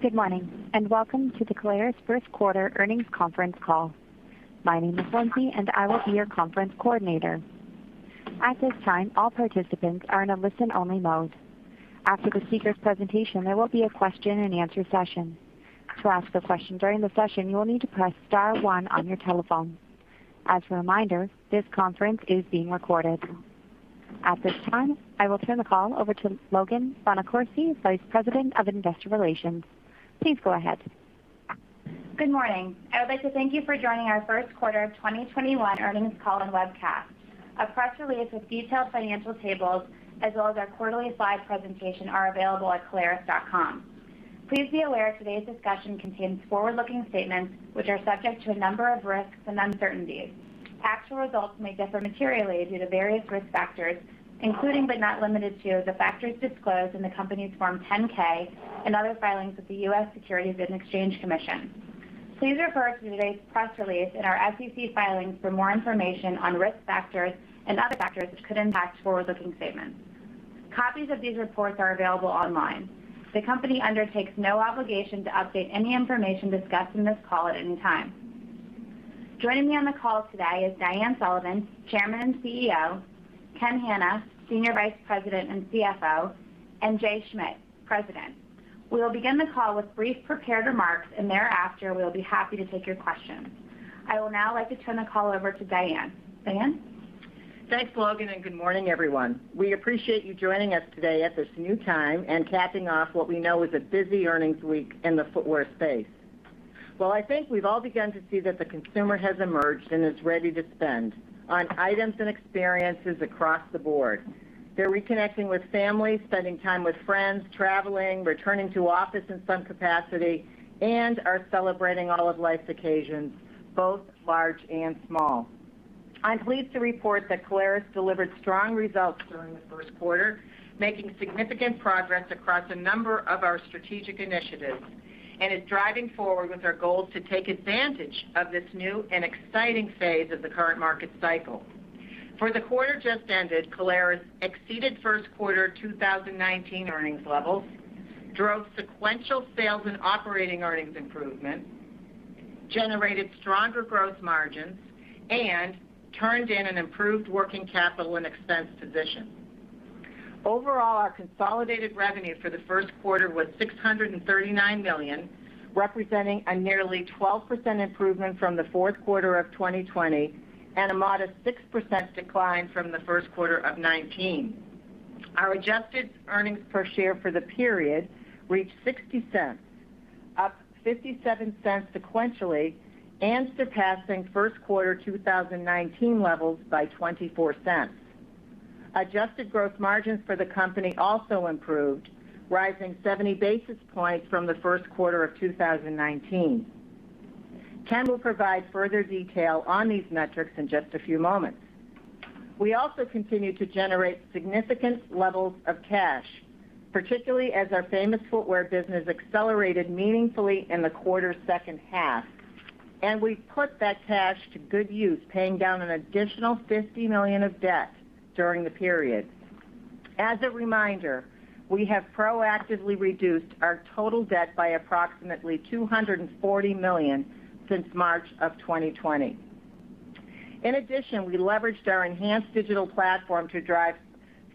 Good morning, and welcome to the Caleres first quarter earnings conference call. At this time, I will turn the call over to Logan Piccirillo, Vice President of Investor Relations. Please go ahead. Good morning. I would like to thank you for joining our first quarter 2021 earnings call and webcast. A press release with detailed financial tables as well as our quarterly live presentation are available at caleres.com. Please be aware today's discussion contains forward-looking statements, which are subject to a number of risks and uncertainties. Actual results may differ materially due to various risk factors, including but not limited to the factors disclosed in the company's Form 10-K and other filings with the U.S. Securities and Exchange Commission. Please refer to today's press release and our SEC filings for more information on risk factors and other factors which could impact forward-looking statements. Copies of these reports are available online. The company undertakes no obligation to update any information discussed in this call at any time. Joining me on the call today is Diane Sullivan, Chairman and CEO; Ken H. Hannah, Senior Vice President and CFO; and Jay Schmidt, President. We will begin the call with brief prepared remarks. Thereafter, we'll be happy to take your questions. I will now like to turn the call over to Diane. Diane? Thanks, Logan, and good morning, everyone. We appreciate you joining us today at this new time and capping off what we know is a busy earnings week in the footwear space. Well, I think we've all begun to see that the consumer has emerged and is ready to spend on items and experiences across the board. They're reconnecting with family, spending time with friends, traveling, returning to office in some capacity, and are celebrating all of life's occasions, both large and small. I'm pleased to report that Caleres delivered strong results during the first quarter, making significant progress across a number of our strategic initiatives, and is driving forward with our goals to take advantage of this new and exciting phase of the current market cycle. For the quarter just ended, Caleres exceeded first quarter 2019 earnings levels, drove sequential sales and operating earnings improvement, generated stronger growth margins, and turned in an improved working capital and expense position. Overall, our consolidated revenue for the first quarter was $639 million, representing a nearly 12% improvement from the fourth quarter of 2020 and a modest 6% decline from the first quarter of 2019. Our adjusted earnings per share for the period reached $0.60, up $0.57 sequentially, and surpassing first quarter 2019 levels by $0.24. Adjusted growth margins for the company also improved, rising 70 basis points from the first quarter of 2019. Ken will provide further detail on these metrics in just a few moments. We also continue to generate significant levels of cash, particularly as our Famous Footwear business accelerated meaningfully in the quarter's second half, and we put that cash to good use, paying down an additional $50 million of debt during the period. As a reminder, we have proactively reduced our total debt by approximately $240 million since March of 2020. In addition, we leveraged our enhanced digital platform to drive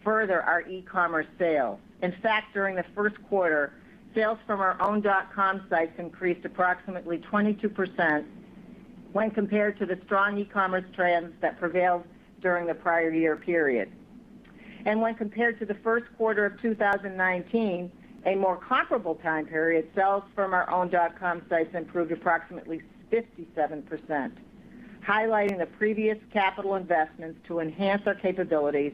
further our e-commerce sales. In fact, during the first quarter, sales from our own dot-com sites increased approximately 22% when compared to the strong e-commerce trends that prevailed during the prior year period. When compared to the first quarter of 2019, a more comparable time period, sales from our own dot com sites improved approximately 57%, highlighting the previous capital investments to enhance our capabilities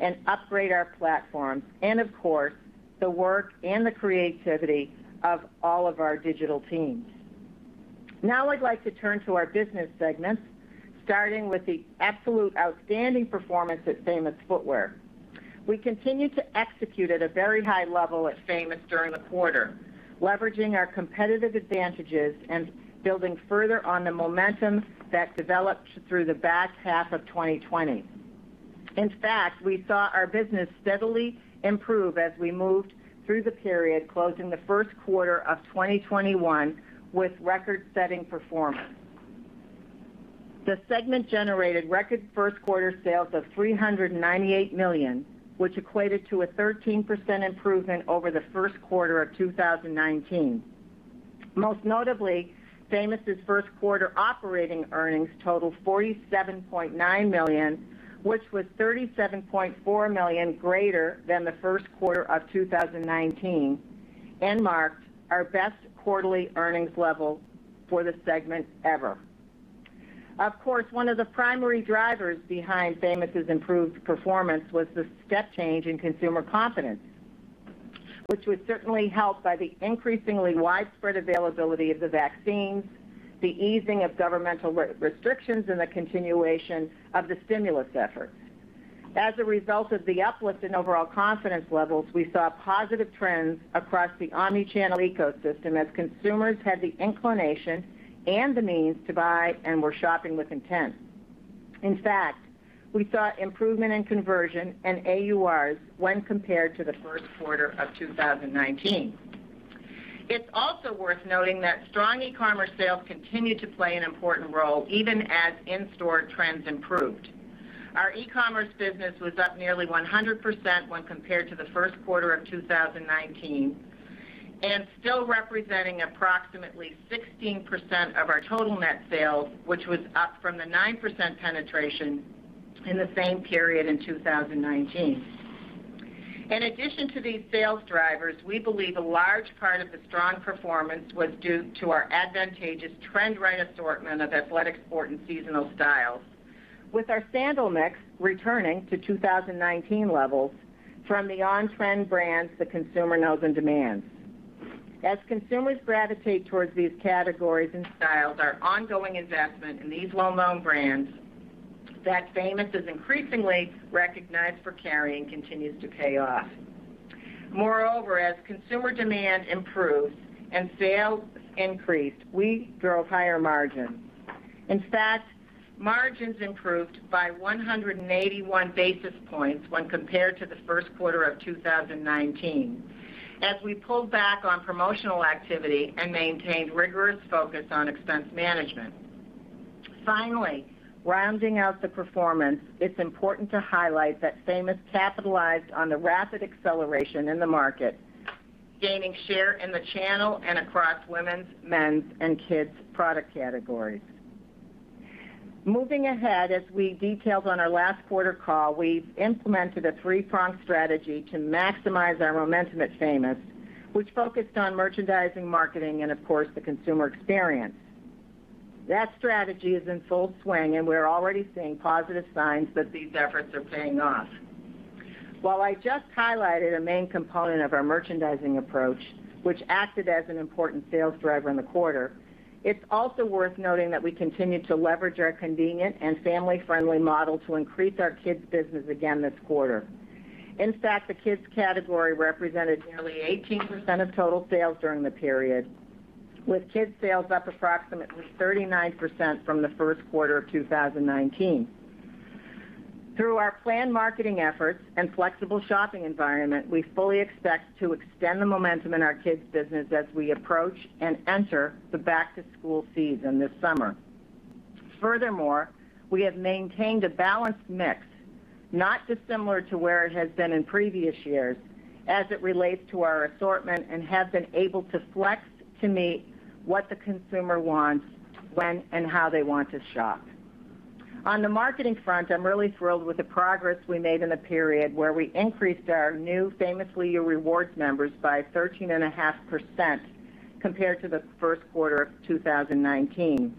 and upgrade our platforms, and of course, the work and the creativity of all of our digital teams. I'd like to turn to our business segments, starting with the absolute outstanding performance at Famous Footwear. We continued to execute at a very high level at Famous during the quarter, leveraging our competitive advantages and building further on the momentum that developed through the back half of 2020. We saw our business steadily improve as we moved through the period, closing the first quarter of 2021 with record-setting performance. The segment generated record first quarter sales of $398 million, which equated to a 13% improvement over the first quarter of 2019. Most notably, Famous' first quarter operating earnings totaled $47.9 million, which was $37.4 million greater than the first quarter of 2019 and marked our best quarterly earnings level for the segment ever. Of course, one of the primary drivers behind Famous' improved performance was the step change in consumer confidence, which was certainly helped by the increasingly widespread availability of the vaccines, the easing of governmental restrictions, and the continuation of the stimulus efforts. As a result of the uplift in overall confidence levels, we saw positive trends across the omni-channel ecosystem as consumers had the inclination and the means to buy and were shopping with intent. In fact, we saw improvement in conversion and AURs when compared to the first quarter of 2019. It's also worth noting that strong e-commerce sales continued to play an important role even as in-store trends improved. Our e-commerce business was up nearly 100% when compared to the first quarter of 2019, and still representing approximately 16% of our total net sales, which was up from the 9% penetration in the same period in 2019. In addition to these sales drivers, we believe a large part of the strong performance was due to our advantageous trend-right assortment of athletic sport and seasonal styles, with our sandal mix returning to 2019 levels from the on-trend brands the consumer knows and demands. As consumers gravitate towards these categories and styles, our ongoing investment in these well-known brands that Famous is increasingly recognized for carrying continues to pay off. Moreover, as consumer demand improved and sales increased, we drove higher margins. In fact, margins improved by 181 basis points when compared to the first quarter of 2019, as we pulled back on promotional activity and maintained rigorous focus on expense management. Finally, rounding out the performance, it is important to highlight that Famous capitalized on the rapid acceleration in the market, gaining share in the channel and across women's, men's, and kids' product categories. Moving ahead, as we detailed on our last quarter call, we have implemented a three-pronged strategy to maximize our momentum at Famous, which focused on merchandising, marketing, and of course, the consumer experience. That strategy is in full swing, and we are already seeing positive signs that these efforts are paying off. While I just highlighted a main component of our merchandising approach, which acted as an important sales driver in the quarter, it's also worth noting that we continue to leverage our convenient and family-friendly model to increase our kids business again this quarter. In fact, the kids category represented nearly 18% of total sales during the period, with kids sales up approximately 39% from the first quarter of 2019. Through our planned marketing efforts and flexible shopping environment, we fully expect to extend the momentum in our kids business as we approach and enter the back-to-school season this summer. Furthermore, we have maintained a balanced mix, not dissimilar to where it has been in previous years as it relates to our assortment, and have been able to flex to meet what the consumer wants, when, and how they want to shop. On the marketing front, I'm really thrilled with the progress we made in a period where we increased our new Famously YOU Rewards members by 13.5% compared to the first quarter of 2019.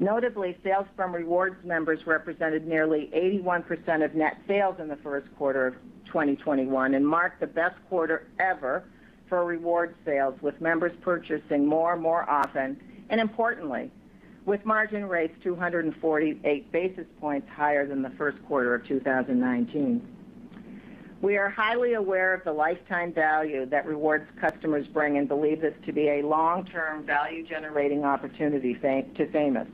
Notably, sales from Rewards members represented nearly 81% of net sales in the first quarter of 2021 and marked the best quarter ever for Rewards sales, with members purchasing more and more often, and importantly, with margin rates 248 basis points higher than the first quarter of 2019. We are highly aware of the lifetime value that Rewards customers bring and believe this to be a long-term value-generating opportunity to Famous.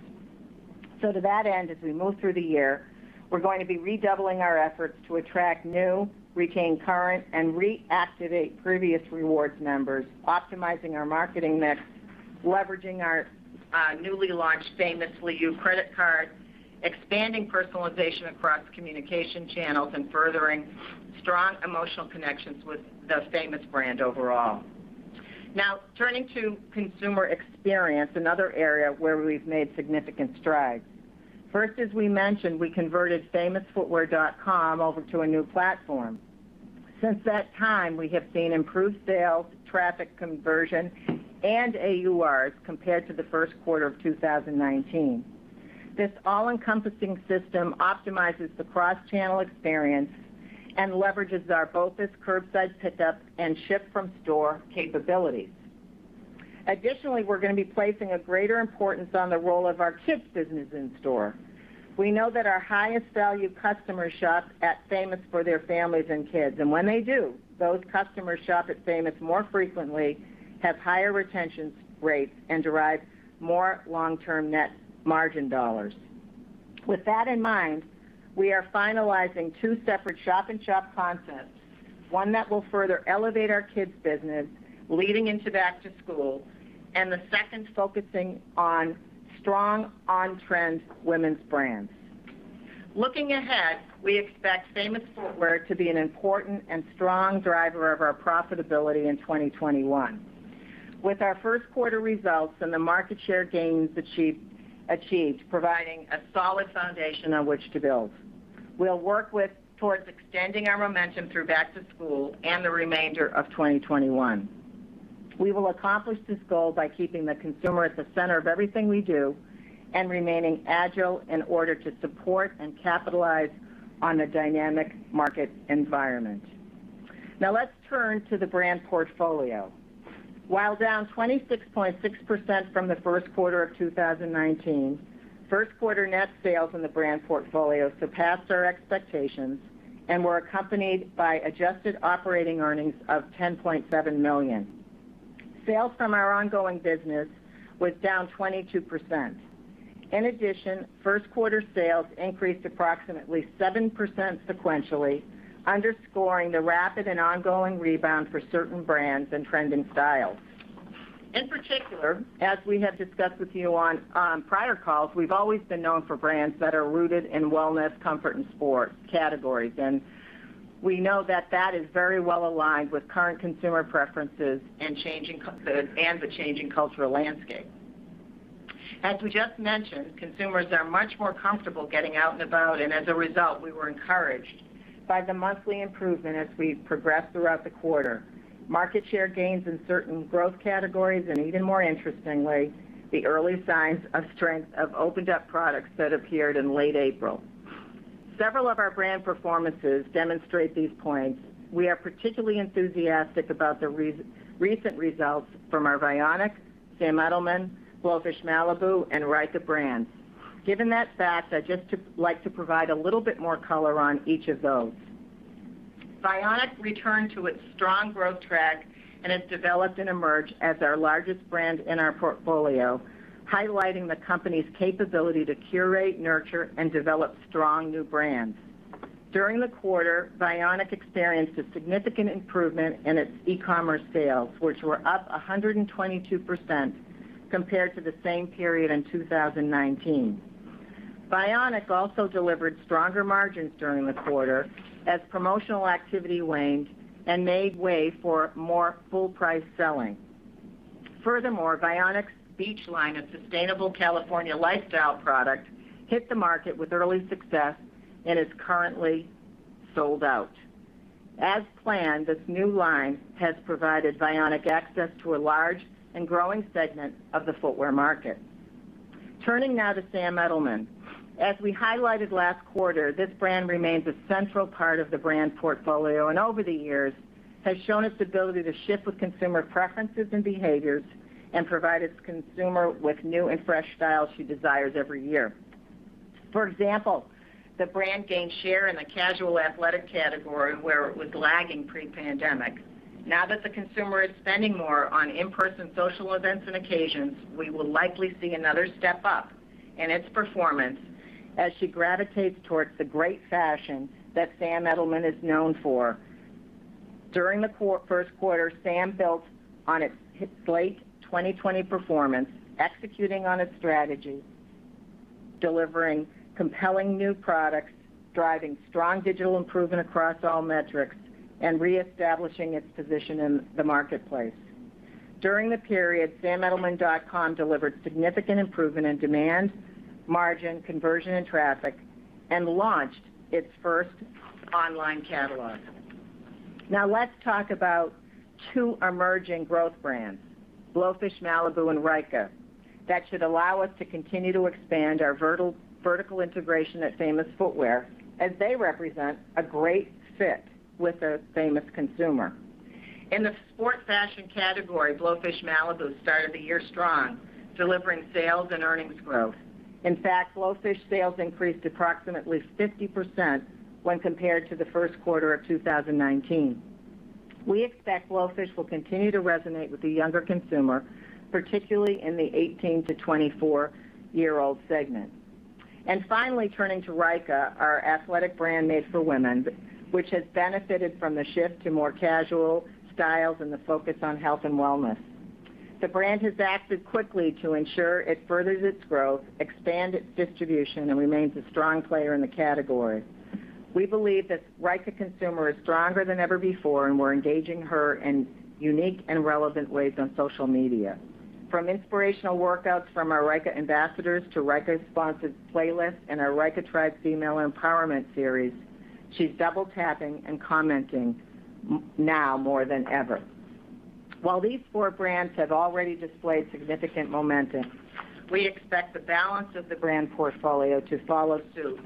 To that end, as we move through the year, we're going to be redoubling our efforts to attract new, retain current, and reactivate previous Rewards members, optimizing our marketing mix, leveraging our newly launched Famously YOU Rewards Credit Card, expanding personalization across communication channels, and furthering strong emotional connections with the Famous Footwear brand overall. Turning to consumer experience, another area where we've made significant strides. First, as we mentioned, we converted famousfootwear.com over to a new platform. Since that time, we have seen improved sales, traffic conversion, and AURs compared to the first quarter of 2019. This all-encompassing system optimizes the cross-channel experience and leverages our BOPIS curbside pickup and ship from store capabilities. Additionally, we're going to be placing a greater importance on the role of our kids business in store. We know that our highest value customers shop at Famous for their families and kids, and when they do, those customers shop at Famous more frequently, have higher retention rates, and derive more long-term net margin dollars. With that in mind, we are finalizing two separate shop-in-shop concepts, one that will further elevate our kids business leading into back to school, and the second focusing on strong on-trend women's brands. Looking ahead, we expect Famous Footwear to be an important and strong driver of our profitability in 2021. With our first quarter results and the market share gains achieved providing a solid foundation on which to build, we'll work towards extending our momentum through back to school and the remainder of 2021. We will accomplish this goal by keeping the consumer at the center of everything we do and remaining agile in order to support and capitalize on a dynamic market environment. Let's turn to the Brand Portfolio. While down 26.6% from the first quarter of 2019, first quarter net sales in the Brand Portfolio surpassed our expectations and were accompanied by adjusted operating earnings of $10.7 million. Sales from our ongoing business was down 22%. First quarter sales increased approximately 7% sequentially, underscoring the rapid and ongoing rebound for certain brands and trending styles. As we have discussed with you on prior calls, we've always been known for brands that are rooted in wellness, comfort, and sports categories, and we know that that is very well-aligned with current consumer preferences and the changing cultural landscape. As we just mentioned, consumers are much more comfortable getting out and about, and as a result, we were encouraged by the monthly improvement as we progressed throughout the quarter, market share gains in certain growth categories, and even more interestingly, the early signs of strength of opened-up products that appeared in late April. Several of our brand performances demonstrate these points. We are particularly enthusiastic about the recent results from our Vionic, Sam Edelman, Blowfish Malibu, and Ryka brands. Given that fact, I'd just like to provide a little bit more color on each of those. Vionic returned to its strong growth track and has developed and emerged as our largest brand in our portfolio, highlighting the company's capability to curate, nurture, and develop strong new brands. During the quarter, Vionic experienced a significant improvement in its e-commerce sales, which were up 122% compared to the same period in 2019. Vionic also delivered stronger margins during the quarter as promotional activity waned and made way for more full-price selling. Vionic's Beach line of sustainable California lifestyle products hit the market with early success and is currently sold out. As planned, this new line has provided Vionic access to a large and growing segment of the footwear market. Turning now to Sam Edelman. As we highlighted last quarter, this brand remains a central part of the Brand Portfolio, and over the years has shown its ability to shift with consumer preferences and behaviors and provide its consumer with new and fresh styles she desires every year. For example, the brand gained share in the casual athletic category where it was lagging pre-pandemic. Now that the consumer is spending more on in-person social events and occasions, we will likely see another step up in its performance as she gravitates towards the great fashion that Sam Edelman is known for. During the first quarter, Sam built on its late 2020 performance, executing on its strategy, delivering compelling new products, driving strong digital improvement across all metrics, and reestablishing its position in the marketplace. During the period, samedelman.com delivered significant improvement in demand, margin conversion, and traffic, and launched its first online catalog. Now let's talk about two emerging growth brands, Blowfish Malibu and Ryka, that should allow us to continue to expand our vertical integration at Famous Footwear as they represent a great fit with the Famous consumer. In the sport fashion category, Blowfish Malibu started the year strong, delivering sales and earnings growth. In fact, Blowfish sales increased approximately 50% when compared to the first quarter of 2019. We expect Blowfish will continue to resonate with the younger consumer, particularly in the 18-24 year-old segment. Finally, turning to Ryka, our athletic brand made for women, which has benefited from the shift to more casual styles and the focus on health and wellness. The brand has acted quickly to ensure it furthers its growth, expand its distribution, and remains a strong player in the category. We believe the Ryka consumer is stronger than ever before, and we're engaging her in unique and relevant ways on social media. From inspirational workouts from our Ryka ambassadors to Ryka-sponsored playlists and our Ryka Tribe female empowerment series, she's double-tapping and commenting now more than ever. While these four brands have already displayed significant momentum, we expect the balance of the Brand Portfolio to follow suit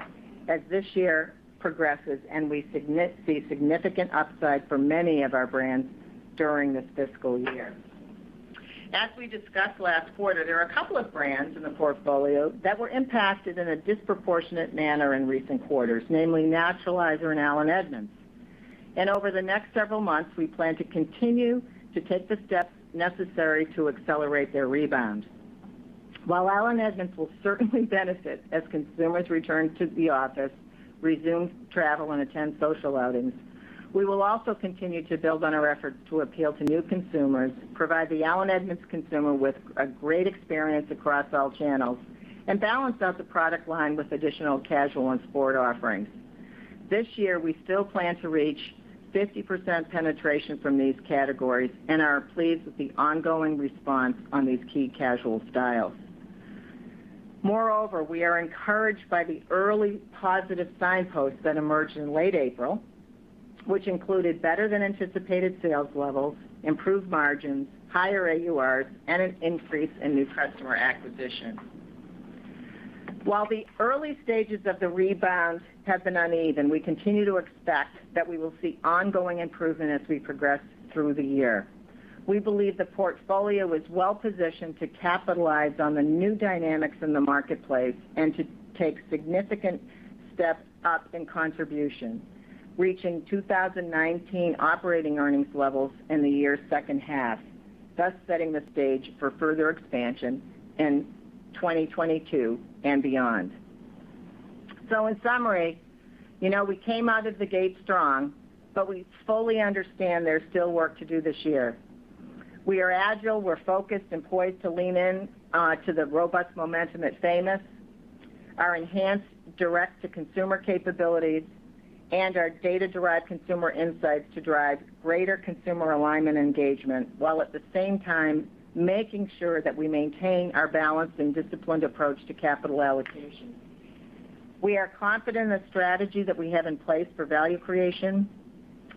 as this year progresses, we see significant upside for many of our brands during this fiscal year. As we discussed last quarter, there are a couple of brands in the portfolio that were impacted in a disproportionate manner in recent quarters, namely Naturalizer and Allen Edmonds. Over the next several months, we plan to continue to take the steps necessary to accelerate their rebound. While Allen Edmonds will certainly benefit as consumers return to the office, resume travel, and attend social outings, we will also continue to build on our efforts to appeal to new consumers, provide the Allen Edmonds consumer with a great experience across all channels, and balance out the product line with additional casual and sport offerings. This year, we still plan to reach 50% penetration from these categories and are pleased with the ongoing response on these key casual styles. Moreover, we are encouraged by the early positive signposts that emerged in late April, which included better than anticipated sales levels, improved margins, higher AURs, and an increase in new customer acquisition. While the early stages of the rebound have been uneven, we continue to expect that we will see ongoing improvement as we progress through the year. We believe the portfolio is well-positioned to capitalize on the new dynamics in the marketplace and to take significant steps up in contribution, reaching 2019 operating earnings levels in the year's second half, thus setting the stage for further expansion in 2022 and beyond. In summary, we came out of the gate strong, but we fully understand there's still work to do this year. We are agile, we're focused, and poised to lean in to the robust momentum at Famous, our enhanced direct-to-consumer capabilities, and our data-derived consumer insights to drive greater consumer alignment engagement while at the same time making sure that we maintain our balanced and disciplined approach to capital allocation. We are confident in the strategy that we have in place for value creation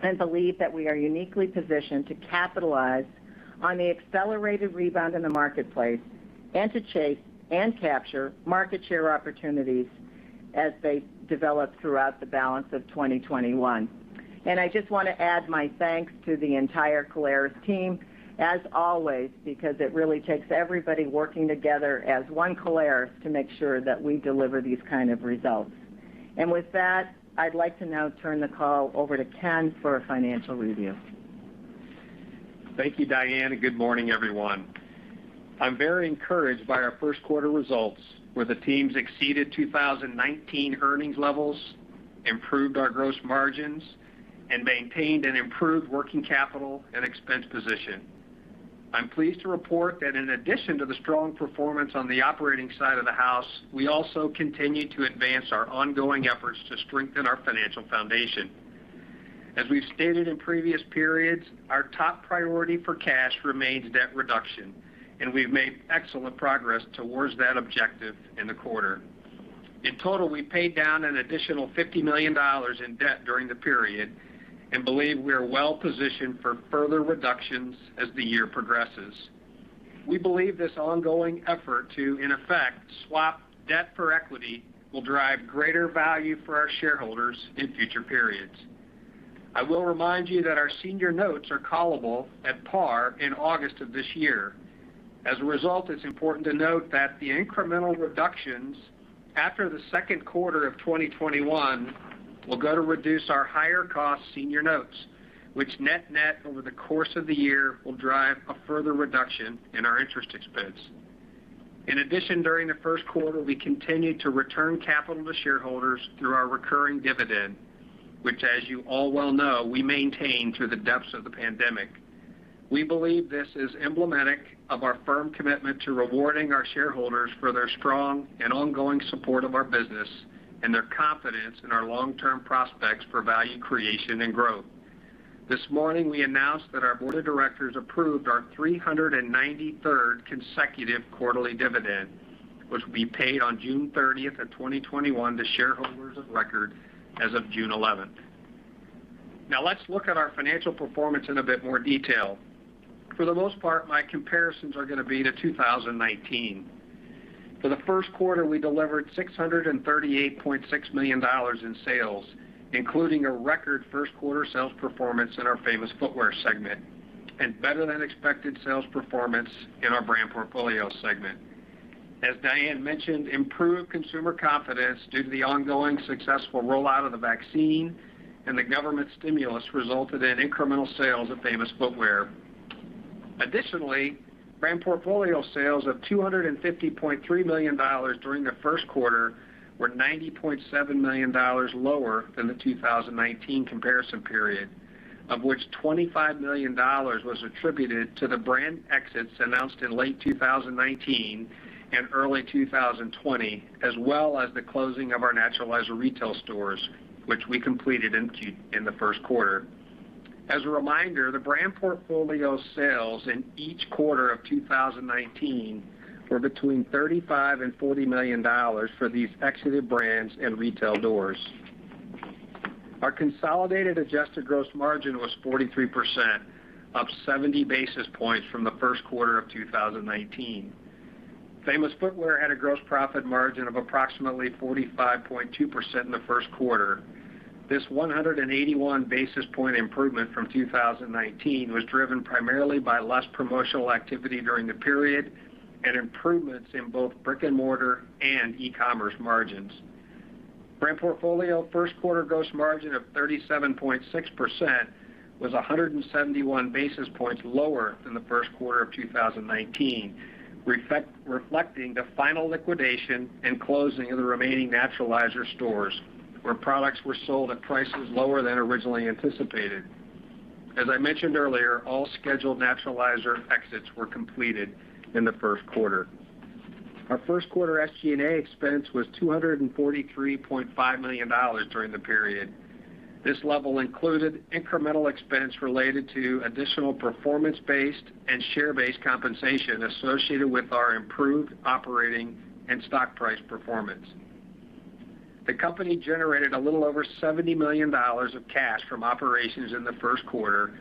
and believe that we are uniquely positioned to capitalize on the accelerated rebound in the marketplace and to chase and capture market share opportunities as they develop throughout the balance of 2021. I just want to add my thanks to the entire Caleres team, as always, because it really takes everybody working together as one Caleres to make sure that we deliver these kind of results. With that, I'd like to now turn the call over to Ken for a financial review. Thank you, Diane, and good morning, everyone. I'm very encouraged by our first quarter results, where the teams exceeded 2019 earnings levels, improved our gross margins, and maintained an improved working capital and expense position. I'm pleased to report that in addition to the strong performance on the operating side of the house, we also continue to advance our ongoing efforts to strengthen our financial foundation. As we've stated in previous periods, our top priority for cash remains debt reduction, and we've made excellent progress towards that objective in the quarter. In total, we paid down an additional $50 million in debt during the period and believe we are well-positioned for further reductions as the year progresses. We believe this ongoing effort to, in effect, swap debt for equity will drive greater value for our shareholders in future periods. I will remind you that our senior notes are callable at par in August of this year. It's important to note that the incremental reductions after the second quarter of 2021 will go to reduce our higher cost senior notes, which net-net over the course of the year will drive a further reduction in our interest expense. During the first quarter, we continued to return capital to shareholders through our recurring dividend, which as you all well know, we maintained through the depths of the pandemic. We believe this is emblematic of our firm commitment to rewarding our shareholders for their strong and ongoing support of our business and their confidence in our long-term prospects for value creation and growth. This morning, we announced that our board of directors approved our 393rd consecutive quarterly dividend, which will be paid on June 30th of 2021 to shareholders of record as of June 11th. Now let's look at our financial performance in a bit more detail. For the most part, my comparisons are going to be to 2019. For the first quarter, we delivered $638.6 million in sales, including a record first quarter sales performance in our Famous Footwear segment and better-than-expected sales performance in our Brand Portfolio segment. As Diane mentioned, improved consumer confidence due to the ongoing successful rollout of the vaccine and the government stimulus resulted in incremental sales at Famous Footwear. Additionally, Brand Portfolio sales of $250.3 million during the first quarter were $90.7 million lower than the 2019 comparison period, of which $25 million was attributed to the brand exits announced in late 2019 and early 2020, as well as the closing of our Naturalizer retail stores, which we completed in Q1 in the first quarter. As a reminder, the Brand Portfolio sales in each quarter of 2019 were between $35 and $40 million for these exited brands and retail doors. Our consolidated adjusted gross margin was 43%, up 70 basis points from the first quarter of 2019. Famous Footwear had a gross profit margin of approximately 45.2% in the first quarter. This 181 basis point improvement from 2019 was driven primarily by less promotional activity during the period and improvements in both brick-and-mortar and e-commerce margins. Brand Portfolio first quarter gross margin of 37.6% was 171 basis points lower than the first quarter of 2019, reflecting the final liquidation and closing of the remaining Naturalizer stores, where products were sold at prices lower than originally anticipated. As I mentioned earlier, all scheduled Naturalizer exits were completed in the first quarter. Our first quarter SG&A expense was $243.5 million during the period. This level included incremental expense related to additional performance-based and share-based compensation associated with our improved operating and stock price performance. The company generated a little over $70 million of cash from operations in the first quarter,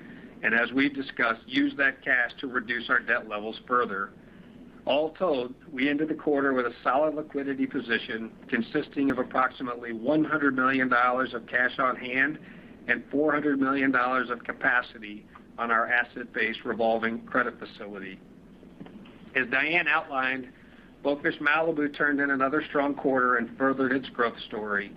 as we've discussed, used that cash to reduce our debt levels further. All told, we ended the quarter with a solid liquidity position consisting of approximately $100 million of cash on hand and $400 million of capacity on our asset-based revolving credit facility. As Diane outlined, Blowfish Malibu turned in another strong quarter and furthered its growth story.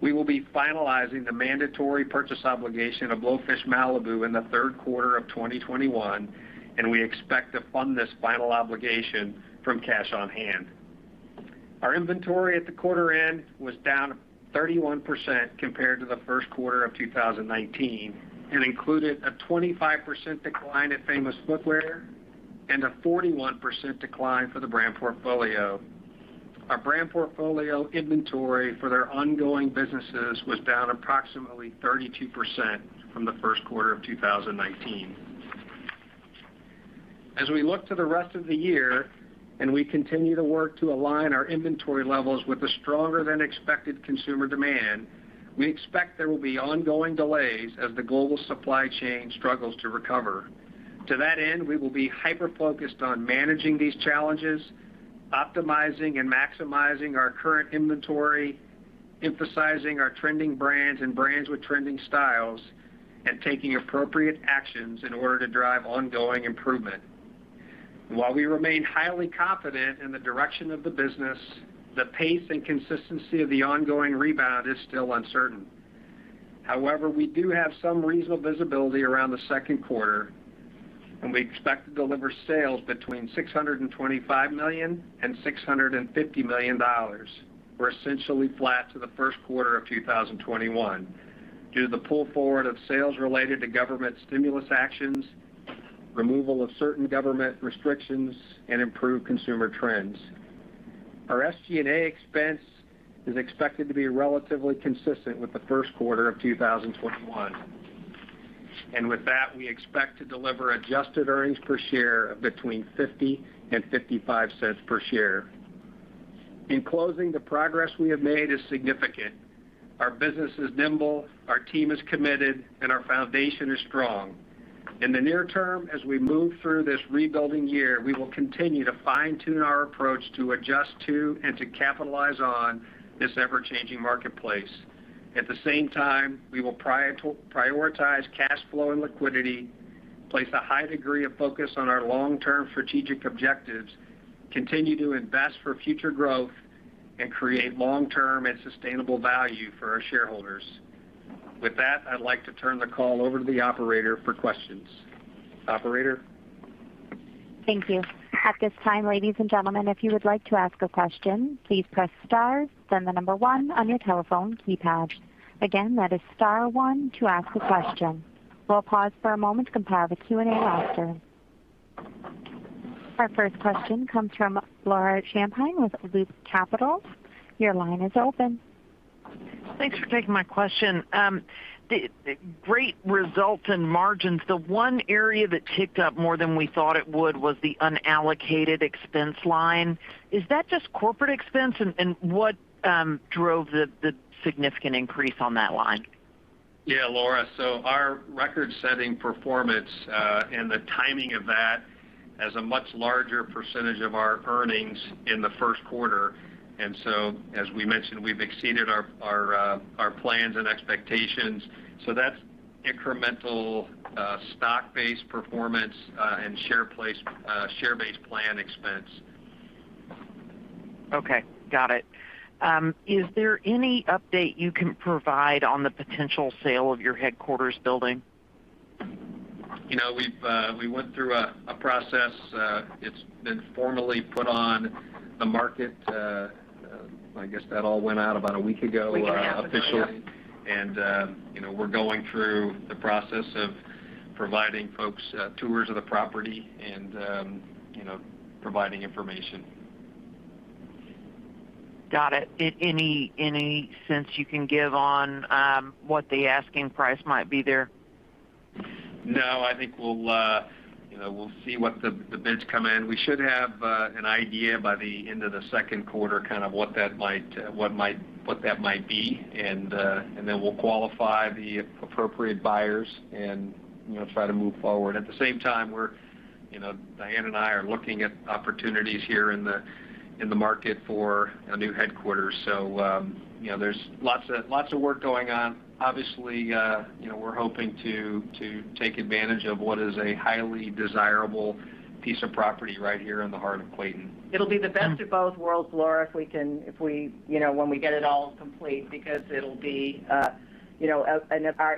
We will be finalizing the mandatory purchase obligation of Blowfish Malibu in the third quarter of 2021, and we expect to fund this final obligation from cash on hand. Our inventory at the quarter end was down 31% compared to the first quarter of 2019 and included a 25% decline at Famous Footwear and a 41% decline for the Brand Portfolio. Our Brand Portfolio inventory for their ongoing businesses was down approximately 32% from the first quarter of 2019. As we look to the rest of the year, and we continue to work to align our inventory levels with the stronger than expected consumer demand, we expect there will be ongoing delays as the global supply chain struggles to recover. To that end, we will be hyper-focused on managing these challenges, optimizing and maximizing our current inventory, emphasizing our trending brands and brands with trending styles, and taking appropriate actions in order to drive ongoing improvement. While we remain highly confident in the direction of the business, the pace and consistency of the ongoing rebound is still uncertain. However, we do have some reasonable visibility around the second quarter, and we expect to deliver sales between $625 million and $650 million. We're essentially flat to the first quarter of 2021 due to the pull forward of sales related to government stimulus actions, removal of certain government restrictions, and improved consumer trends. Our SG&A expense is expected to be relatively consistent with the first quarter of 2021. With that, we expect to deliver adjusted earnings per share of between $0.50 and $0.55 per share. In closing, the progress we have made is significant. Our business is nimble, our team is committed, and our foundation is strong. In the near term, as we move through this rebuilding year, we will continue to fine-tune our approach to adjust to and to capitalize on this ever-changing marketplace. At the same time, we will prioritize cash flow and liquidity, place a high degree of focus on our long-term strategic objectives, continue to invest for future growth, and create long-term and sustainable value for our shareholders. With that, I'd like to turn the call over to the operator for questions. Operator? Our first question comes from Laura Champine with Loop Capital. Your line is open. Thanks for taking my question. Great results in margins. The one area that ticked up more than we thought it would was the unallocated expense line. Is that just corporate expense, and what drove the significant increase on that line? Yeah, Laura. Our record-setting performance and the timing of that has a much larger percentage of our earnings in the first quarter. As we mentioned, we've exceeded our plans and expectations. That's incremental stock-based performance and share-based plan expense. Okay, got it. Is there any update you can provide on the potential sale of your headquarters building? We went through a process. It's been formally put on the market. I guess that all went out about one week ago. Week ago. Okay We're going through the process of providing folks tours of the property and providing information. Got it. Any sense you can give on what the asking price might be there? I think we'll see what the bids come in. We should have an idea by the end of the second quarter what that might be, and then we'll qualify the appropriate buyers and try to move forward. At the same time, Diane and I are looking at opportunities here in the market for a new headquarters. There's lots of work going on. Obviously, we're hoping to take advantage of what is a highly desirable piece of property right here in the heart of Clayton. It'll be the best of both worlds, Laura, when we get it all complete, because it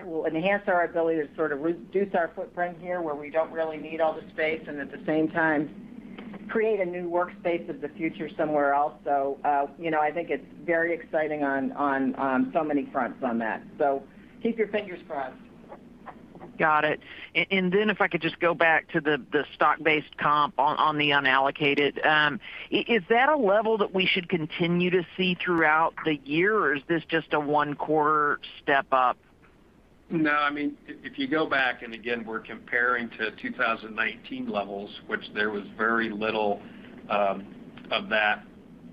will enhance our ability to reduce our footprint here where we don't really need all the space, and at the same time, create a new workspace of the future somewhere else. I think it's very exciting on so many fronts on that. Keep your fingers crossed. Got it. If I could just go back to the stock-based comp on the unallocated. Is that a level that we should continue to see throughout the year, or is this just a one-quarter step up? No, if you go back, again, we're comparing to 2019 levels, which there was very little of that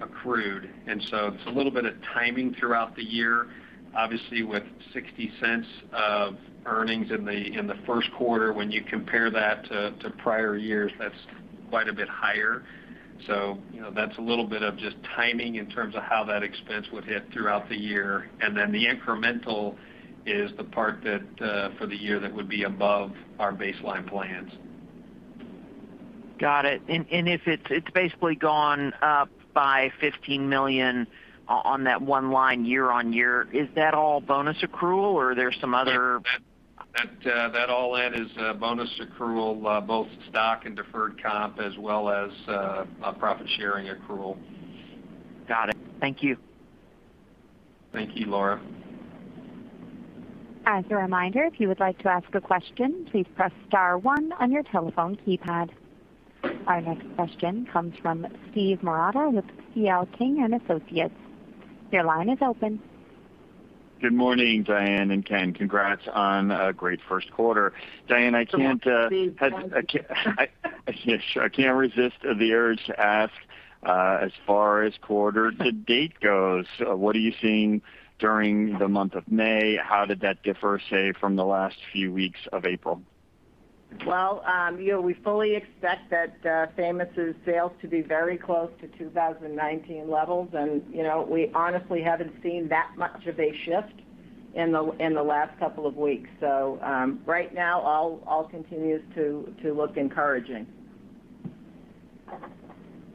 accrued. It's a little bit of timing throughout the year. Obviously, with $0.60 of earnings in the first quarter, when you compare that to prior years, that's quite a bit higher. That's a little bit of just timing in terms of how that expense would hit throughout the year. The incremental is the part that for the year that would be above our baseline plans. Got it. It's basically gone up by $15 million on that one line year-on-year. Is that all bonus accrual or there's some other- That all that is bonus accrual, both stock and deferred comp, as well well as profit sharing accrual. Got it. Thank you. Thank you, Laura. As a reminder, if you would like to ask a question, please press star one on your telephone keypad. Our next question comes from Steve Marotta with C.L. King & Associates. Your line is open. Good morning, Diane and Ken. Congrats on a great first quarter. Diane, I can't resist the urge to ask, as far as quarter-to-date goes, what are you seeing during the month of May? How did that differ, say, from the last few weeks of April? Well, we fully expect that Famous's sales to be very close to 2019 levels. We honestly haven't seen that much of a shift in the last couple of weeks. Right now, all continues to look encouraging.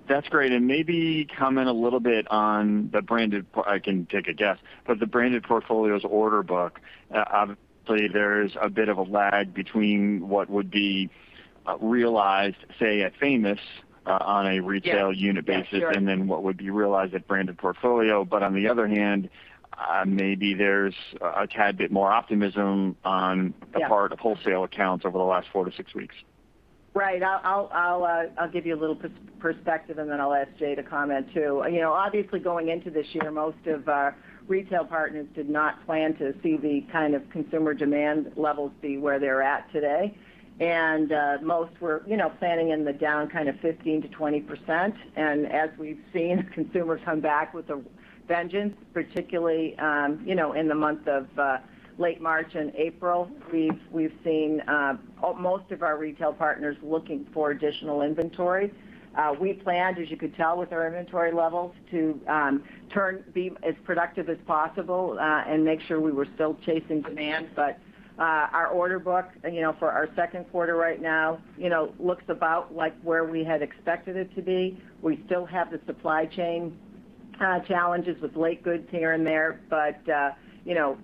That's great. Maybe comment a little bit on the Brand Portfolio. I can take a guess, but the Brand Portfolio's order book, obviously there's a bit of a lag between what would be realized, say, at Famous Footwear on a retail unit basis. Yes, sure. What would be realized at Brand Portfolio. On the other hand, maybe there's a tad bit more optimism on. Yeah the part of wholesale accounts over the last four to six weeks. Right. I'll give you a little perspective, then I'll ask Jay to comment, too. Obviously, going into this year, most of our retail partners did not plan to see the kind of consumer demand levels be where they're at today. Most were planning on the down kind of 15%-20%. As we've seen, consumer come back with a vengeance, particularly in the month of late March and April. We've seen most of our retail partners looking for additional inventory. We planned, as you could tell with our inventory levels, to be as productive as possible and make sure we were still chasing demand. Our order books for our second quarter right now looks about like where we had expected it to be. We still have the supply chain challenges with late goods here and there.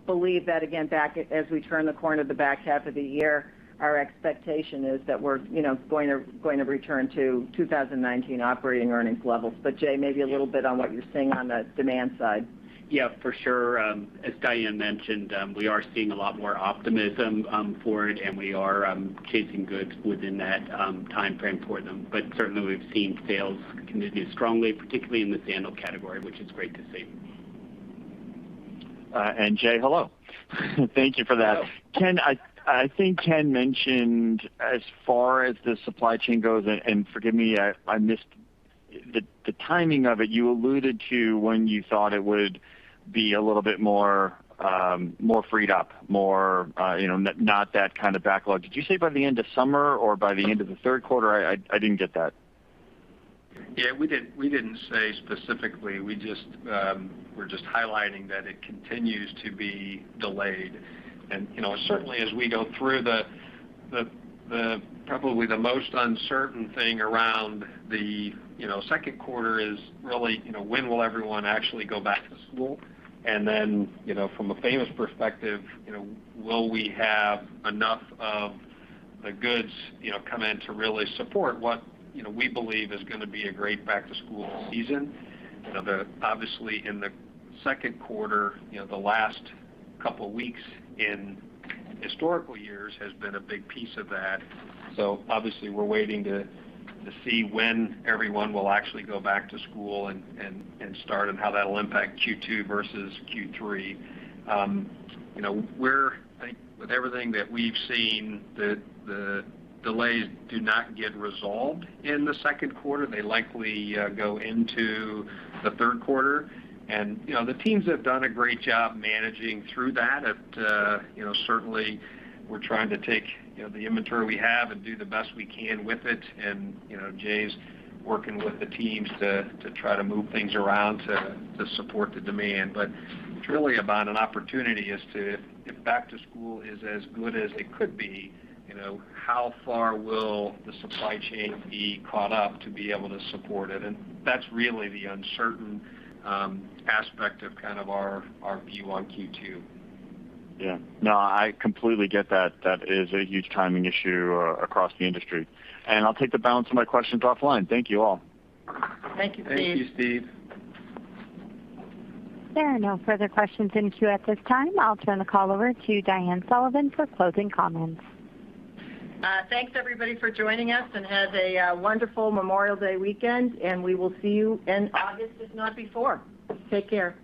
Believe that, again, as we turn the corner to the back half of the year, our expectation is that we're going to return to 2019 operating earnings levels. Jay, maybe a little bit on what you're seeing on the demand side. Yeah, for sure. As Diane mentioned, we are seeing a lot more optimism for it, and we are chasing goods within that timeframe for them. Certainly, we've seen sales continue strongly, particularly in the sandal category, which is great to see. Jay, hello. Thank you for that. Ken, I think Ken mentioned as far as the supply chain goes. Forgive me, I missed the timing of it. You alluded to when you thought it would be a little bit more freed up, not that kind of backlog. Did you say by the end of summer or by the end of the third quarter? I didn't get that. Yeah, we didn't say specifically. We're just highlighting that it continues to be delayed. Certainly as we go through, probably the most uncertain thing around the second quarter is really when will everyone actually go back to school? Then, from a Famous perspective, will we have enough of the goods come in to really support what we believe is going to be a great back-to-school season? Obviously, in the second quarter, the last couple of weeks in historical years has been a big piece of that. Obviously, we're waiting to see when everyone will actually go back to school and start and how that'll impact Q2 versus Q3. With everything that we've seen, the delays do not get resolved in the second quarter. They likely go into the third quarter. The teams have done a great job managing through that. Certainly, we're trying to take the inventory we have and do the best we can with it. Jay's working with the teams to try to move things around to support the demand. It's really about an opportunity as to if back to school is as good as it could be, how far will the supply chain be caught up to be able to support it? That's really the uncertain aspect of our view on Q2. Yeah. No, I completely get that. That is a huge timing issue across the industry. I'll take the balance of my questions offline. Thank you all. Thank you, Steve. Thank you, Steve. There are no further questions in queue at this time. I'll turn the call over to Diane Sullivan for closing comments. Thanks everybody for joining us, and have a wonderful Memorial Day weekend, and we will see you in August, if not before. Take care.